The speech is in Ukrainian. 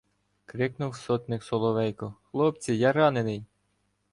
Крикнув сотник Соловейко: "Хлопці, я ранений!"